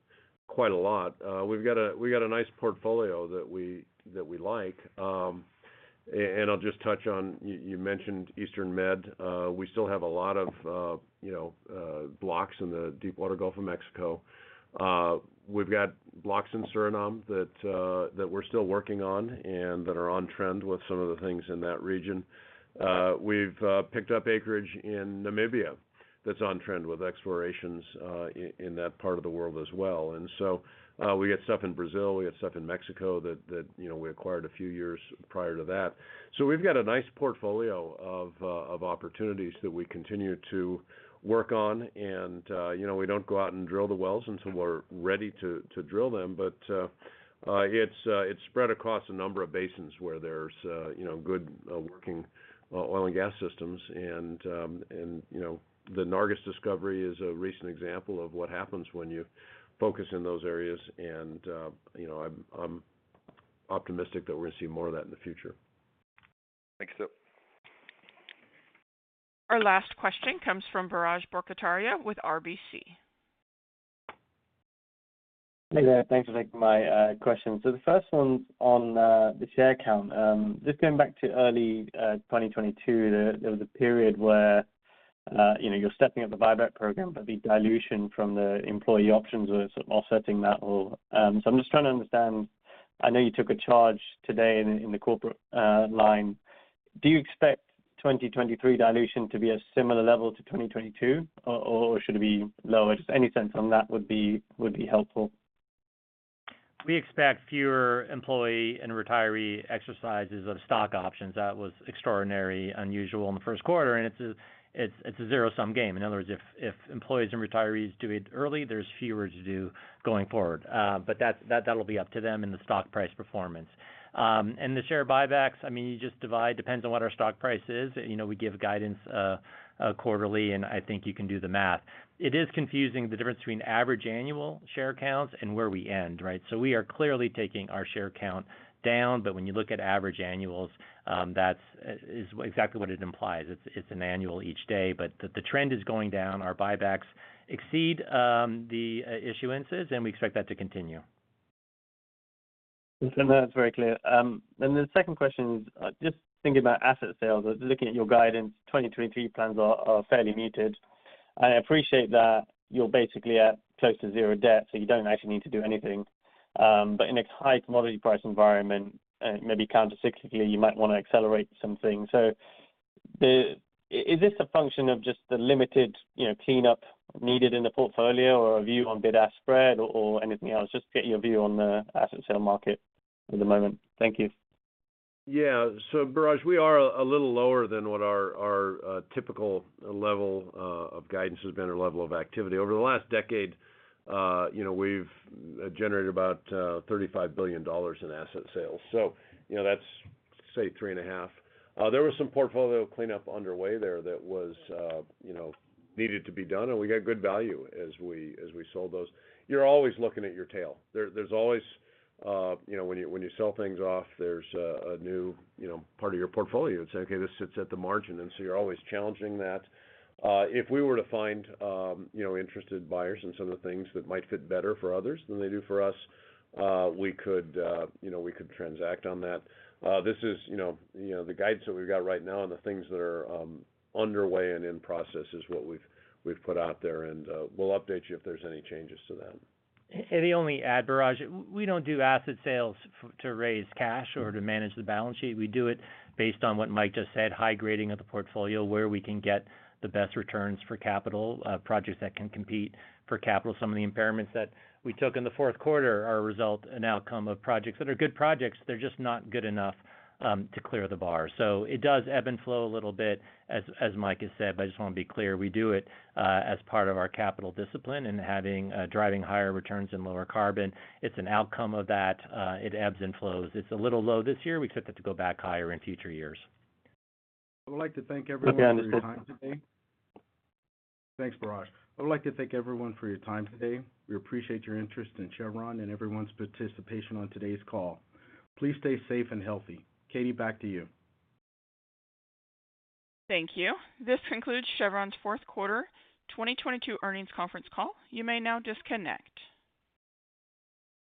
quite a lot. We've got a nice portfolio that we like. And I'll just touch on you mentioned Eastern Med. We still have a lot of, you know, blocks in the Deepwater Gulf of Mexico. We've got blocks in Suriname that we're still working on and that are on trend with some of the things in that region. We've picked up acreage in Namibia that's on trend with explorations in that part of the world as well. We got stuff in Brazil, we got stuff in Mexico that, you know, we acquired a few years prior to that. We've got a nice portfolio of opportunities that we continue to work on. You know, we don't go out and drill the wells until we're ready to drill them. It's spread across a number of basins where there's, you know, good working oil and gas systems. You know, the Nargis discovery is a recent example of what happens when you focus in those areas. You know, I'm optimistic that we're gonna see more of that in the future. Thanks. Our last question comes from Biraj Borkhataria with RBC. Hey, there. Thanks for taking my question. The first one's on the share count. Just going back to early 2022, there was a period where, you know, you're stepping up the buyback program, but the dilution from the employee options were sort of offsetting that all. I'm just trying to understand. I know you took a charge today in the corporate line. Do you expect 2023 dilution to be a similar level to 2022 or should it be lower? Just any sense on that would be helpful. We expect fewer employee and retiree exercises of stock options. That was extraordinarily unusual in the first quarter, and it's a zero-sum game. In other words, if employees and retirees do it early, there's fewer to do going forward. That, that'll be up to them and the stock price performance. The share buybacks, I mean, you just divide, depends on what our stock price is. You know, we give guidance quarterly, and I think you can do the math. It is confusing, the difference between average annual share counts and where we end, right? We are clearly taking our share count down, but when you look at average annuals, that's, is exactly what it implies. It's an annual each day. The trend is going down. Our buybacks exceed, the issuances, and we expect that to continue. That's very clear. The second question is just thinking about asset sales. Looking at your guidance, 2023 plans are fairly muted. I appreciate that you're basically at close to zero debt, so you don't actually need to do anything. In a high commodity price environment and maybe countercyclically, you might wanna accelerate some things. Is this a function of just the limited, you know, cleanup needed in the portfolio or a view on bid-ask spread or anything else? Just get your view on the asset sale market at the moment. Thank you. Yeah. Biraj, we are a little lower than what our typical level of guidance has been or level of activity. Over the last decade, you know, we've generated about $35 billion in asset sales. you know, that's, say, three and a half. There was some portfolio cleanup underway there that was, you know, needed to be done, and we got good value as we sold those. You're always looking at your tail. There's always, you know, when you, when you sell things off, there's a new, you know, part of your portfolio and say, "Okay, this sits at the margin." you're always challenging that. If we were to find, you know, interested buyers in some of the things that might fit better for others than they do for us, we could, you know, transact on that. This is, you know, the guidance that we've got right now and the things that are underway and in process is what we've put out there. We'll update you if there's any changes to that. The only add, Biraj, we don't do asset sales to raise cash or to manage the balance sheet. We do it based on what Mike just said, high grading of the portfolio, where we can get the best returns for capital, projects that can compete for capital. Some of the impairments that we took in the fourth quarter are a result and outcome of projects that are good projects, they're just not good enough to clear the bar. It does ebb and flow a little bit as Mike has said, I just wanna be clear, we do it as part of our capital discipline and having driving higher returns and lower carbon. It's an outcome of that. It ebbs and flows. It's a little low this year. We expect it to go back higher in future years. I would like to thank everyone for their time today. Okay. Understood. Thanks, Biraj. I would like to thank everyone for your time today. We appreciate your interest in Chevron and everyone's participation on today's call. Please stay safe and healthy. Katie, back to you. Thank you. This concludes Chevron's fourth quarter 2022 earnings conference call. You may now disconnect.